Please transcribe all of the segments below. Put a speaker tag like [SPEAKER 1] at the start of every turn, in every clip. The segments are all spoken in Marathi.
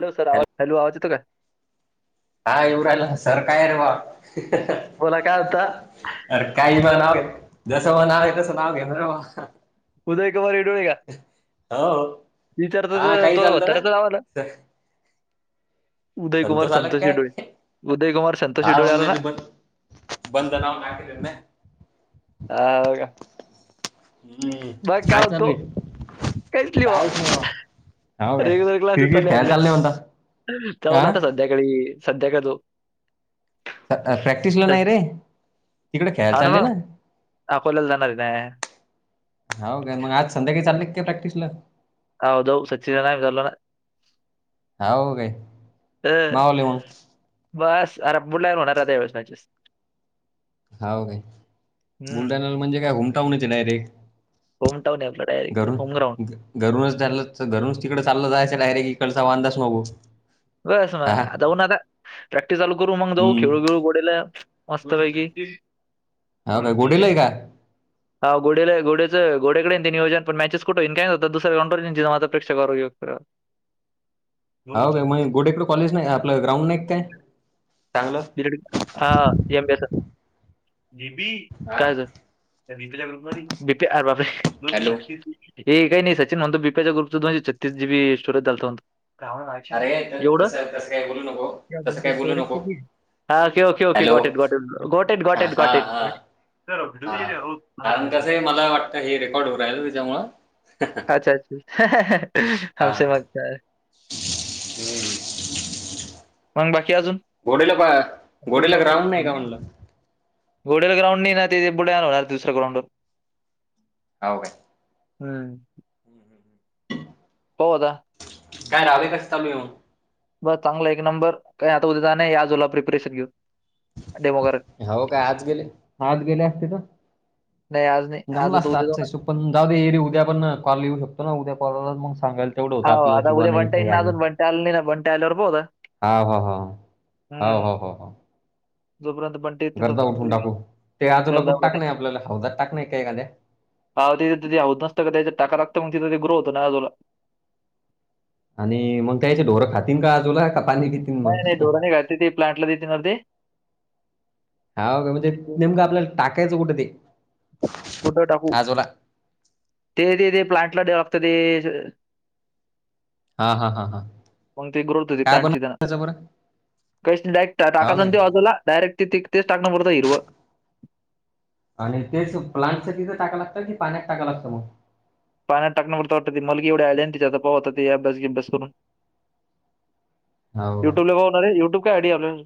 [SPEAKER 1] हॅलो सर आवाज, हॅलो आवाज येतो काय?
[SPEAKER 2] हा येऊ राहिला सर काय रे बा?
[SPEAKER 1] बोला काय होता
[SPEAKER 2] अरे काही [unintelligible] जसं [unintelligible] तसं नाव घेतोरे बा.
[SPEAKER 1] [unintelligible] [unintelligible]
[SPEAKER 2] हो हा काही चालतं ना
[SPEAKER 1] उदय कुमार
[SPEAKER 2] संतोष आला
[SPEAKER 1] संतोषी
[SPEAKER 2] काय
[SPEAKER 1] डोळे, उदय कुमार संतोषी
[SPEAKER 2] हा
[SPEAKER 1] डोळे आला
[SPEAKER 2] मग
[SPEAKER 1] ना
[SPEAKER 2] बंद बंद नाव [unintelligible]
[SPEAKER 1] हा होय का?
[SPEAKER 2] हम्म
[SPEAKER 1] बघ
[SPEAKER 2] काय
[SPEAKER 1] म्हणतो
[SPEAKER 2] चालूये?
[SPEAKER 1] काहीच लिहा रेग्युलर क्लास चालले आपले
[SPEAKER 2] [unintelligible]
[SPEAKER 1] [unintelligible]
[SPEAKER 2] प्रॅक्टिसला नाही
[SPEAKER 1] सं-
[SPEAKER 2] रे. तिकडे खेळायला चालले ना
[SPEAKER 1] [unintelligible] अकोल्याला जाणार [unintelligible]
[SPEAKER 2] हाव काय? मग आज संध्याकाळी चाललेत का प्रॅक्टिसला?
[SPEAKER 1] [unintelligible]
[SPEAKER 2] हाव काय?
[SPEAKER 1] अ
[SPEAKER 2] मावले मग
[SPEAKER 1] बस. [unintelligible]
[SPEAKER 2] हाव काय?
[SPEAKER 1] हम्म
[SPEAKER 2] बुलढाणाला म्हणजे काय [unintelligible] आहे डायरेक्ट.
[SPEAKER 1] [unintelligible] आपल डायरेक्ट
[SPEAKER 2] घरून
[SPEAKER 1] होमग्रांऊड.
[SPEAKER 2] घ- घरूनच चालल, घरूनच तिकड चाललं जायचं डायरेक्ट इकडचा वांदाच नगो.
[SPEAKER 1] तस ना आता उन्हाचा प्रॅक्टिस चालू करू. मग जाऊ
[SPEAKER 2] हम्म
[SPEAKER 1] खेळू, बीळू [unintelligible] मस्त पैकी.
[SPEAKER 2] ह
[SPEAKER 1] पण
[SPEAKER 2] काय गुडीला आहे का?
[SPEAKER 1] [unintelligible]
[SPEAKER 2] [inaudible]
[SPEAKER 1] रोजी छत्तीस-
[SPEAKER 2] गोडेकड कॉलेज नाही, आपलं ग्राउंड नाही काय चांगलं?
[SPEAKER 1] [unintelligible] [unintelligible] हे
[SPEAKER 2] हा. हॅलो
[SPEAKER 1] काही नाही सचिन म्हणतो बीपीच्या [unintelligible] छतीस जी बी स्टोरेज चालतो. काओ [unintelligible]
[SPEAKER 2] अरे त-
[SPEAKER 1] येवढं?
[SPEAKER 2] तसं तसं काय
[SPEAKER 1] [unintelligible]
[SPEAKER 2] बोलू नको तसं
[SPEAKER 1] तुमचं
[SPEAKER 2] काय बोलू
[SPEAKER 1] स्टोरेज
[SPEAKER 2] नको
[SPEAKER 1] किती आहे? हा
[SPEAKER 2] हॅलो हा हा हा
[SPEAKER 1] [unintelligible]
[SPEAKER 2] हा
[SPEAKER 1] डुबी दिले रोज माझा
[SPEAKER 2] कारण
[SPEAKER 1] डुबी दिले
[SPEAKER 2] कसं आहे मला वाटतं हे रेकॉर्ड होऊ राहिलं ना त्याच्यामुळं
[SPEAKER 1] अच्छा अच्छा,
[SPEAKER 2] हा
[SPEAKER 1] [unintelligible] मग काय?
[SPEAKER 2] हम्म.
[SPEAKER 1] मग बाकी अजून
[SPEAKER 2] घोडीला पाय
[SPEAKER 1] आपण
[SPEAKER 2] घोडीला ग्राऊंड नाही का म्हणलं?
[SPEAKER 1] घोड्याला ग्राउंड नाही ना ते पुढं होणार दुसऱ्या ग्राऊंडवर
[SPEAKER 2] हाव काय?
[SPEAKER 1] हम्म.
[SPEAKER 2] हम्म हम्म.
[SPEAKER 1] पाहू आता?
[SPEAKER 2] रावे कसं चालू आहे
[SPEAKER 1] ब चांगलं एक नंबर काही आता उद्या जाणंय याजूला प्रिपरेशन घेऊन.
[SPEAKER 2] हो काय? आज गेले आज गेले असते तर?
[SPEAKER 1] नाही आज नाही आज
[SPEAKER 2] जमला असता
[SPEAKER 1] उद्या जाऊ
[SPEAKER 2] आजचा
[SPEAKER 1] ना.
[SPEAKER 2] हिशोब पण जाऊ दे येरी उद्या पण कॉल येऊ शकतो ना उद्या परवा मग सांगायचं. तेवढं होतं
[SPEAKER 1] हा
[SPEAKER 2] आपल्याला
[SPEAKER 1] आता
[SPEAKER 2] की बा
[SPEAKER 1] उद्या
[SPEAKER 2] नाही
[SPEAKER 1] बंटा
[SPEAKER 2] काही
[SPEAKER 1] येईन
[SPEAKER 2] आणि
[SPEAKER 1] [unintelligible]
[SPEAKER 2] हा हा हा, हाव
[SPEAKER 1] हम्म.
[SPEAKER 2] हाव हाव.
[SPEAKER 1] जोपर्यंत पण
[SPEAKER 2] करता उठून टाकू ते आजूला
[SPEAKER 1] ते
[SPEAKER 2] [unintelligible] आपल्याला हौदात टाक नाही का एखाद्या.
[SPEAKER 1] [unintelligible]
[SPEAKER 2] आणि मग त्या ह्याच्यात ढोरं खातील का आजूला का पाणी
[SPEAKER 1] नाही
[SPEAKER 2] मग
[SPEAKER 1] नाही ढोरं नाही खाते, ते प्लांटला देतील ना ते.
[SPEAKER 2] हा का? म्हणजे नेमकं आपल्याला टाकायचं कुठे ते?
[SPEAKER 1] कुठं टाकू?
[SPEAKER 2] आजूला
[SPEAKER 1] ते ते ते प्लांटला [unintelligible] ते
[SPEAKER 2] हा हा हा हा
[SPEAKER 1] मग ते ग्रोथ होती
[SPEAKER 2] काय
[SPEAKER 1] प्लांटची त्यानं
[SPEAKER 2] बनवायचं बरं
[SPEAKER 1] [unintelligible] डायरेक्ट टाका
[SPEAKER 2] हो काय
[SPEAKER 1] ते बाजूला डायरेक्ट तेच टाकता हिरवं.
[SPEAKER 2] आणि तेच प्लांटच तिथं टाकाया लागतं कि पाण्यात टाकाया लागतं मग
[SPEAKER 1] पाण्यात टाकण्यावरता वाटतं ते मला काय एवढं आयडिया तिचा पाहू आता ते अभ्यास बिब्यास करून.
[SPEAKER 2] हो काय
[SPEAKER 1] युट्यूब [unintelligible] युट्यूब [unintelligible]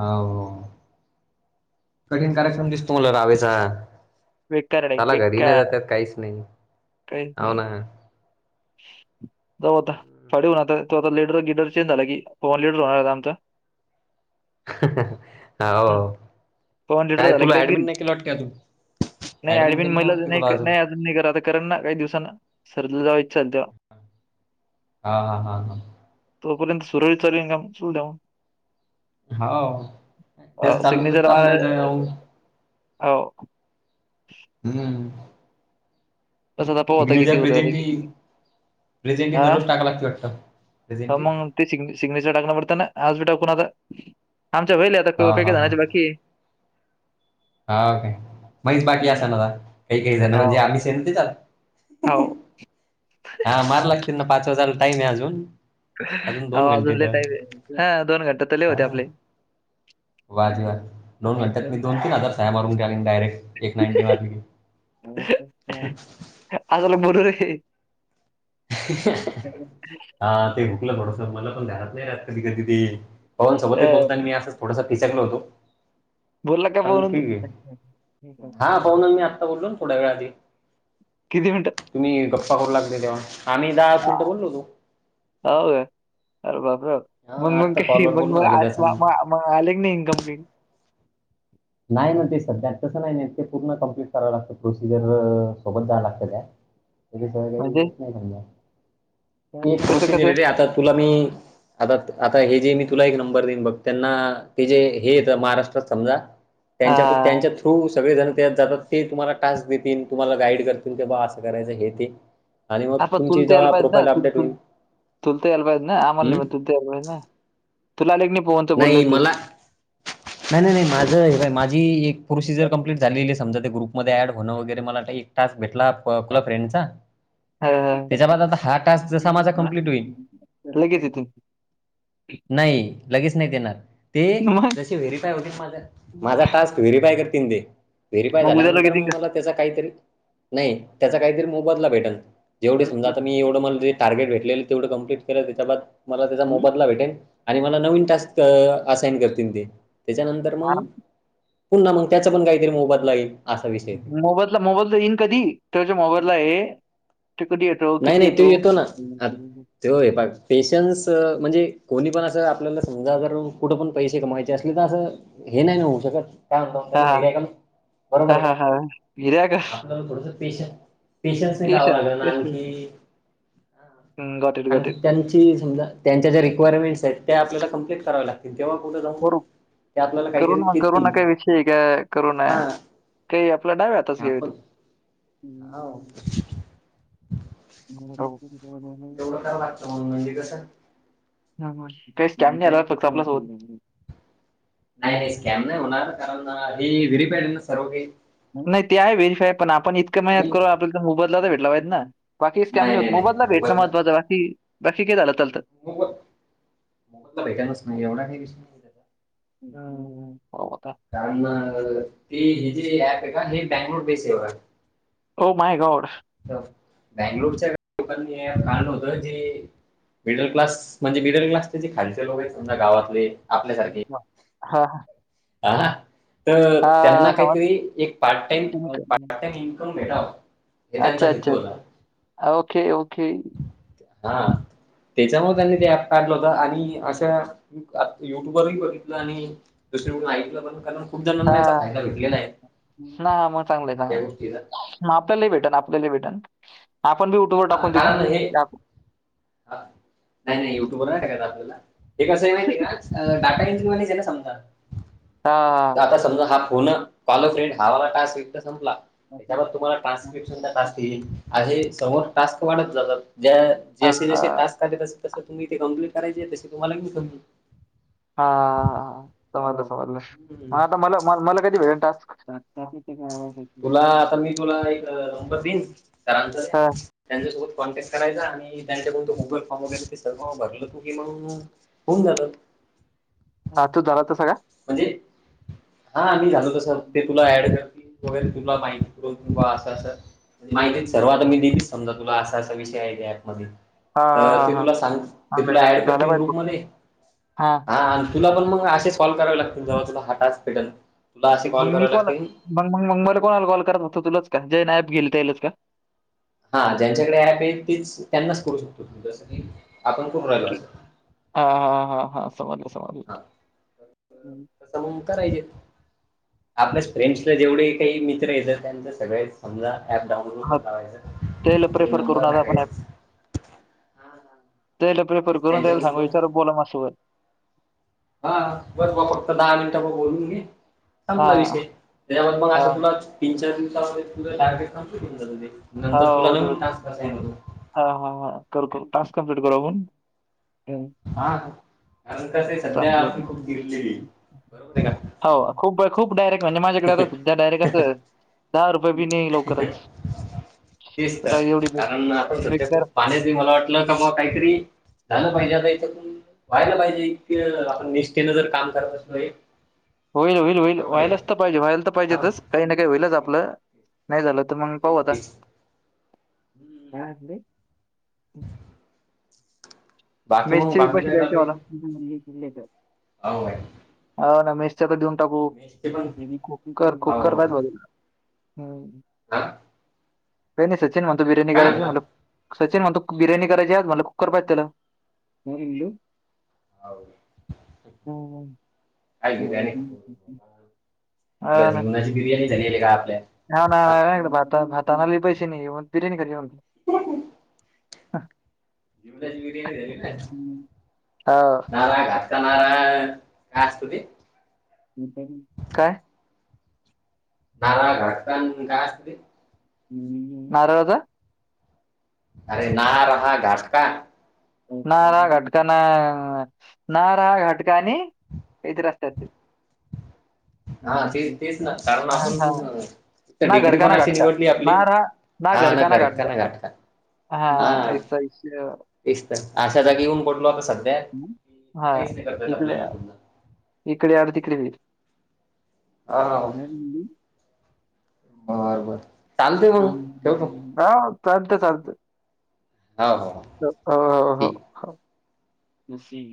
[SPEAKER 2] हा हो, कठीण कार्यक्रम दिसतो मला रावेचा.
[SPEAKER 1] बेकार आहे डायरेक्ट,
[SPEAKER 2] चला घरी नाही
[SPEAKER 1] बेकार
[SPEAKER 2] जातात काहीच नाही,
[SPEAKER 1] काहीच
[SPEAKER 2] हो
[SPEAKER 1] नाही.
[SPEAKER 2] ना
[SPEAKER 1] जाऊ आता फाडीन आता [unintelligible] चेंज झाला की [unintelligible] आमचा.
[SPEAKER 2] [inaudible]
[SPEAKER 1] हं.
[SPEAKER 2] हो,
[SPEAKER 1] पवन लीडर
[SPEAKER 2] काय
[SPEAKER 1] झाला की
[SPEAKER 2] तुला
[SPEAKER 1] डायरेक्ट
[SPEAKER 2] ऍडमिन
[SPEAKER 1] घरी.
[SPEAKER 2] नाही केलं वाटतं की अजून?
[SPEAKER 1] नाही
[SPEAKER 2] ऍडमिट
[SPEAKER 1] ऍडमिन
[SPEAKER 2] केलं
[SPEAKER 1] [unintelligible]
[SPEAKER 2] वाटते
[SPEAKER 1] नाही
[SPEAKER 2] तुला
[SPEAKER 1] का नाही अजून नाही [unintelligible] करलं ना काही दिवसानं सर जेव्हा विचारल तेव्हा
[SPEAKER 2] हा हा हा हा.
[SPEAKER 1] तोपर्यंत सुरळीच काम [unintelligible]
[SPEAKER 2] हा हो
[SPEAKER 1] अ
[SPEAKER 2] जास्त चालू तर
[SPEAKER 1] सिग्नेचर
[SPEAKER 2] चाललंय ते.
[SPEAKER 1] हाव.
[SPEAKER 2] हम्म.
[SPEAKER 1] तसं आता पाहू आता किती
[SPEAKER 2] सिग्नेचर,
[SPEAKER 1] उरलं
[SPEAKER 2] प्रेझेंटी.
[SPEAKER 1] किती नाही.
[SPEAKER 2] प्रेझेंटि
[SPEAKER 1] आ?
[SPEAKER 2] दररोज टाकाया लागते वाटतं?
[SPEAKER 1] हा
[SPEAKER 2] प्रेझेंटि.
[SPEAKER 1] मग ते सिग सिग्नेचर [unintelligible] आज बी टाकून आला, आमचं
[SPEAKER 2] हा हा हा
[SPEAKER 1] [unintelligible]
[SPEAKER 2] हा ओके, मीच बाकी
[SPEAKER 1] हं.
[SPEAKER 2] असेल ना काही काही जण म्हणजे
[SPEAKER 1] हो,
[SPEAKER 2] आम्ही सेम त्याच्यात
[SPEAKER 1] हो.
[SPEAKER 2] हा मार लागतेनं पाच वाजाला टाईम आहे अजून
[SPEAKER 1] हो
[SPEAKER 2] दोन घंटे
[SPEAKER 1] अजून लई
[SPEAKER 2] तर
[SPEAKER 1] टाईम आहे. हा दोन घंटे लई होते आपले
[SPEAKER 2] वाजेवाले दोन घंट्यात मी दोन तीन हजार टाय मारून कालीन डायरेक्ट एक नाईनटी मारली कि,
[SPEAKER 1] आदु ला [unintelligible]
[SPEAKER 2] [inaudible] हा ते हुकलं थोडस मल पण ध्यानात नाही राहत कधी कधी ते. पवन सोबतही
[SPEAKER 1] अ,
[SPEAKER 2] बोलतानी मी असं थोडस फिसकल होतो.
[SPEAKER 1] बोलला का बनून [unintelligible]
[SPEAKER 2] होन मी आता बोलोन थोड्या वेळा आधी
[SPEAKER 1] किती मिनिटं
[SPEAKER 2] तुम्ही गप्पा करू लागले तेव्हा, आम्ही दहा मिनटं बोललोतो.
[SPEAKER 1] हो का, अर बापरे बाप मग
[SPEAKER 2] हा
[SPEAKER 1] मग
[SPEAKER 2] आत्ता
[SPEAKER 1] का
[SPEAKER 2] कॉलवर
[SPEAKER 1] मग
[SPEAKER 2] बोलणं झालं त्याच्यानं
[SPEAKER 1] मग [unintelligible] मग आले की नाही इनकंप्लीट
[SPEAKER 2] नाही न, ते संध्या तसं नाही नेत ते पूर्ण कम्प्लीट करावं लागतं. प्रोसिजर सोबत जा लागतं त्या [inaudible] [unintelligible]
[SPEAKER 1] म्हणजे
[SPEAKER 2] समजा ती एक
[SPEAKER 1] कसं
[SPEAKER 2] प्रोसिजर आहे
[SPEAKER 1] कसं?
[SPEAKER 2] रे आता तुला मी आता आता हे जे मी तुला एक नंबर देईन बघ त्यांना ते जे हे येतं महाराष्ट्रात समजा त्यांच्याकून
[SPEAKER 1] हां,
[SPEAKER 2] त्यांच्या थ्रू तू सगळे जण त्या जातात ते तुम्हाला टास्क देतील. तुम्हाला गाईड करतील. क बा असं करायचं हे ते आणि मग
[SPEAKER 1] आप
[SPEAKER 2] तुमची
[SPEAKER 1] तुले त याल
[SPEAKER 2] जेव्हा
[SPEAKER 1] पाहिजे
[SPEAKER 2] प्रोफाईल
[SPEAKER 1] होता. तुल
[SPEAKER 2] अपडेट होईल
[SPEAKER 1] तुल तुलते याल पाहिजे ना,
[SPEAKER 2] हम्म?
[SPEAKER 1] आमला [unintelligible] तुला आले कि नाही फोन.
[SPEAKER 2] नाही मला नाही नाही नाही माझं हेवाय माझी एक प्रोसिजर कम्प्लीट झालेली आहे समजा, ते ग्रुपमध्ये ऍड होणं वगैरे मला काही टास्क भेटला. [unintelligible] फ्रेंड चा
[SPEAKER 1] हा, हा.
[SPEAKER 2] त्याच्या बाद आता हा टास्क जसा माझा कंप्लीट होईल.
[SPEAKER 1] लगेच येते
[SPEAKER 2] नाही लगेच नाही देणार. ते
[SPEAKER 1] मग
[SPEAKER 2] जसे व्हेरीफाय होतीन माझा, माझा टास्क व्हेरीफाय करतील ते. व्हेरीफाय
[SPEAKER 1] मग उद्याला लगेच
[SPEAKER 2] झाल्यानंतर
[SPEAKER 1] येईन
[SPEAKER 2] मग मला त्याचा काहीतरी नाही त्याचा काहीतरी मोबदला भेटल. जेवढे समजा
[SPEAKER 1] का
[SPEAKER 2] आता मी एवढं मले जे टार्गेट भेटलेले तेवढं कंप्लीट केलं. त्याच्या बाद मला त्याचा मोबदला भेटेन. मला नवीन टास्क असाइन करतील ते. त्याच्यानंतर मग पुन्हा मग त्याचा पण काहीकाही मोबदला येईल. असा विषय आहे.
[SPEAKER 1] मोबाईला मोबाईला येईन कधी त्याच्या मोबाईला आहे. ते कधी येतो. किती येतो.
[SPEAKER 2] ते [unintelligible] पेशन्स म्हणजे कोणी पण असं आपल्याला समजा जर कुठं पण पैसे कमायचे ते असले त असं हे नाही न होऊ शकत.
[SPEAKER 1] हा
[SPEAKER 2] [unintelligible] मिराकल बरोबर
[SPEAKER 1] हा
[SPEAKER 2] आहे का?
[SPEAKER 1] हा हा हिऱ्या का
[SPEAKER 2] आपल्याला थोडंस पेशन्स पेशन्स जावं
[SPEAKER 1] पेशा
[SPEAKER 2] लागलं ना आणखी
[SPEAKER 1] गॉट इट गॉट
[SPEAKER 2] आणखी
[SPEAKER 1] इट
[SPEAKER 2] त्यांची समजा त्यांच्या ज्या रिकवायरमेंट्स आहेत त्या आपल्याला कंप्लीट करा लाग तेव्हा कुठ
[SPEAKER 1] करू करुना करूना काय विषय का? करूना
[SPEAKER 2] हा
[SPEAKER 1] काही आपल्या डाव्या हाताचं खेळ ते
[SPEAKER 2] हो.
[SPEAKER 1] चौक
[SPEAKER 2] तेवढं [unintelligible] म्हणजे कसा
[SPEAKER 1] ते स्कॅन नाही रात फक्त आपल्यासोबत
[SPEAKER 2] नाही नाही स्कॅम नाही होणार, कारण हे व्हेरी फाय हाय ना सर्व काही.
[SPEAKER 1] नाही ते हाय व्हेरीफाय पण आपण इतक मेहनत
[SPEAKER 2] आणि
[SPEAKER 1] करू, आपल्याला मोबदला तर भेटला पाहिजेत ना? बाकी स्कॅम नाही होत, मोबदला भेटणं महत्वाच बाकी बाकी काय झालं चालतं.
[SPEAKER 2] मोबद मोबदला भेटायलाच नाही, एवढा नाही विष
[SPEAKER 1] हम्म होता.
[SPEAKER 2] कारण ते ह जे ऍप आहे का हे बॅगलोर बेसवर आहे.
[SPEAKER 1] Oh my God!
[SPEAKER 2] बंगलोरच्या लोकानी ऍप आणल होत जे मिडल क्लास म्हणजे मिडल क्लासचे जे खालचे लोक आहेत, समजा गावातले आपल्यासारखे
[SPEAKER 1] हा हा.
[SPEAKER 2] हा ना तर
[SPEAKER 1] हा,
[SPEAKER 2] त्यांना
[SPEAKER 1] समज
[SPEAKER 2] काहीतरी एक पार्ट टाइम,
[SPEAKER 1] तुम्ही-
[SPEAKER 2] पार्ट टाइम इन्कम मिळावा
[SPEAKER 1] अच्छा अच्छा, ओके, ओके.
[SPEAKER 2] हा. तेच्यामुळे त्यांनी ते ऍप काढलं होत आणि अशा युट्यूबवरही बघितलं आणि दुसरीकडून ऐकलं पण, कारन
[SPEAKER 1] हा ना, हा मग चांगलंय,
[SPEAKER 2] या
[SPEAKER 1] चांगलय.
[SPEAKER 2] गोष्टीला
[SPEAKER 1] हा आपल्याला ई भेटन, आपल्याला ई भेटन. आपण बी उठून
[SPEAKER 2] हा
[SPEAKER 1] टाकून दिवु
[SPEAKER 2] कारण हे
[SPEAKER 1] का?
[SPEAKER 2] हा, नाही नाही युट्यूबवर नाही टाकायच आपल्याला, हे कसं आहे माहिती आहे का? अ डाटा एंट्री वाले जेला समजा
[SPEAKER 1] हा हा.
[SPEAKER 2] आता समजा, हा फोन अ कॉल फ्रेंड हा वाला टास्क एकदा संपला त्याच्यावर तुम्हाला टास जे तुमचा टास्क येईल, आहे समोर टास्क वाढत जातात. ज
[SPEAKER 1] हा
[SPEAKER 2] जसे
[SPEAKER 1] हा.
[SPEAKER 2] टास्क का तस तस तुम्ही ते कंम्प्लिट करायचे तुम्हाला मग
[SPEAKER 1] हा हा, समजलं समजलं,
[SPEAKER 2] येईल
[SPEAKER 1] मग आता मला म मला कधी भेटनार? [unintelligible] त्या त्याचा आवाज ऐक.
[SPEAKER 2] तुला आता मी तुला एक नंबर देईन सरांचा त्या
[SPEAKER 1] हां.
[SPEAKER 2] त्यांच्यासोबत कॉन्टॅक्ट करायचा आणि त्यांच्याकडून तो गुगल फॉर्म वगैरे ते सगळ भरलं तू की मंग् होऊन जात.
[SPEAKER 1] हा तूझ झाला तस काय?
[SPEAKER 2] म्हणजे हा मी झालो तस ते तुला ॲड करतील वगैरे तुला माहिती देतो, आस आस माहिती सर्व
[SPEAKER 1] हां,
[SPEAKER 2] मी दिलीच. समजा तुला असा असा विषय आहे ऍप मधी तर
[SPEAKER 1] हां, हां,
[SPEAKER 2] ते
[SPEAKER 1] हां.
[SPEAKER 2] तुला सांगतील, ते
[SPEAKER 1] चांगलं आहे,
[SPEAKER 2] तुला
[SPEAKER 1] चांगलं
[SPEAKER 2] ऍड
[SPEAKER 1] आहे. झालं
[SPEAKER 2] करतील
[SPEAKER 1] पाहिजे
[SPEAKER 2] ग्रुप
[SPEAKER 1] तो.
[SPEAKER 2] मध्ये
[SPEAKER 1] हां.
[SPEAKER 2] हा तुला पण मग असेच कॉल करावे लागतील, जेव्हा तुला हा टास्क भेटेल.
[SPEAKER 1] मग मी कॉल मग मग मग मला कोणाला कॉल करत होतो, तुलाच का ज्याला ॲप गेतल त्यालाच का?
[SPEAKER 2] हा
[SPEAKER 1] हं.
[SPEAKER 2] ज्यांच्याकडे ॲप आहे तेच, त्यांनाच करू शकतो, ही जसं की आपण करून राहिलो असं.
[SPEAKER 1] हा हा हा हा. समजल, समजल
[SPEAKER 2] हा
[SPEAKER 1] हं.
[SPEAKER 2] तसं मग करायचेत. आपल्या फ्रेंड्सला जेवढे काही मित्र येतात त्यांंच्या सगळे समजा ऍप डाउन
[SPEAKER 1] हा तेला प्रेफर करुन आता आपण ॲप
[SPEAKER 2] टाकायचा
[SPEAKER 1] त्यायला
[SPEAKER 2] बस
[SPEAKER 1] प्रेफर करून त्याला
[SPEAKER 2] त्यांच्याकडून
[SPEAKER 1] सांगू
[SPEAKER 2] मग
[SPEAKER 1] विचार बोला माझ्या सोबत
[SPEAKER 2] हा बर भावा फक्त दहा मिनिटं ब बोलून घे. संपला
[SPEAKER 1] हां,
[SPEAKER 2] विषय, त्यामुळ मग असं
[SPEAKER 1] हां,
[SPEAKER 2] तुलाच तीन, चार दिवसामध्ये टारगेट कम्प्लीट होऊन जाते नंतर तुला नवीन टास्क सेंड होईल.
[SPEAKER 1] हा हा हा, करतो टास्क कंम्प्लिट करू आपण. हं.
[SPEAKER 2] हा, त्यानंतर ते सध्या आपण खूप फिरलेली.
[SPEAKER 1] चालतं. हो खूप खूप डायरेक्ट म्हणजे माझ्याकडे आता सध्या डायरेक्ट असं दहा रुपये पण नाही लवकरच.
[SPEAKER 2] तेच तर
[SPEAKER 1] एवढी बे-
[SPEAKER 2] कारण आपण सध्या
[SPEAKER 1] बेकार
[SPEAKER 2] खूप पाण्यात मला वाटत. आपल्या कामावर काहीतरी झालं पाहिजे आता इथ व्हायला पाहिजे की वेस्ट. इथं जर काम करतात.
[SPEAKER 1] होईल होईल होईल
[SPEAKER 2] आहे का?
[SPEAKER 1] व्हायलाच तर पाहिजे व्हायला तर
[SPEAKER 2] हा.
[SPEAKER 1] पाहिजेतच. काही ना काही होईलच आपलं नाही झालं तर मग पाहू
[SPEAKER 2] तेच
[SPEAKER 1] आता.
[SPEAKER 2] तेच.
[SPEAKER 1] [unintelligible] काय आणलय.
[SPEAKER 2] बाकी मग बाकी
[SPEAKER 1] मिस्त्रीपाशी
[SPEAKER 2] चालू
[SPEAKER 1] जायचंय
[SPEAKER 2] आहे?
[SPEAKER 1] मला.
[SPEAKER 2] होय काय.
[SPEAKER 1] हा ना मेसच्या तर देऊन टाकू
[SPEAKER 2] मेसचे पण
[SPEAKER 1] कुकर कुकर
[SPEAKER 2] हो
[SPEAKER 1] पात [unintelligible] ''हं''
[SPEAKER 2] हा,
[SPEAKER 1] काही नाही सचिन म्हणतो बिर्याणी
[SPEAKER 2] काय
[SPEAKER 1] करायची
[SPEAKER 2] म्हणला
[SPEAKER 1] मला सचिन म्हणतो बिर्याणी करायची मला कुकर पाहिजे त्याला. [inaudible] हो इलु ह
[SPEAKER 2] काय
[SPEAKER 1] ''हं''
[SPEAKER 2] हिकडं जीवनाची बिर्याणीचाेले का आपल्या.
[SPEAKER 1] ह ना
[SPEAKER 2] हा
[SPEAKER 1] भात भाताना पैसे नाही मग बिर्याणी कर. हा,
[SPEAKER 2] जवची बिर्याणी झाली नाही
[SPEAKER 1] हा
[SPEAKER 2] का, करणारा काय असतं ते.
[SPEAKER 1] काय.
[SPEAKER 2] बाला घटकन काय असतते?
[SPEAKER 1] नराळा दा,
[SPEAKER 2] अरे नाहा रहा घाटका.
[SPEAKER 1] नार घटकाना नार घटकानी काहीत रस्त्यात ते.
[SPEAKER 2] हा तेच तेच ना कारण
[SPEAKER 1] हां, हां.
[SPEAKER 2] आपण.
[SPEAKER 1] ना
[SPEAKER 2] डिग्री
[SPEAKER 1] घरका
[SPEAKER 2] पण
[SPEAKER 1] ना
[SPEAKER 2] अशी
[SPEAKER 1] घाटका.
[SPEAKER 2] निवडली आपली
[SPEAKER 1] नारा
[SPEAKER 2] हा ना घर का ना गाठ का,
[SPEAKER 1] हा हा, ऐस आयष्य.
[SPEAKER 2] तेच तर अशा जागी येऊन पठलो आता सध्या
[SPEAKER 1] हां.
[SPEAKER 2] काहीच नाही करतायत
[SPEAKER 1] इकडे
[SPEAKER 2] आपल्याला.
[SPEAKER 1] इकडे अर तिकडे वीर.
[SPEAKER 2] हा बर बर. चालते मग ठेवतो
[SPEAKER 1] हा, मग चालतं चालतं.
[SPEAKER 2] हो हो, ठीक
[SPEAKER 1] [unintelligible] हा ह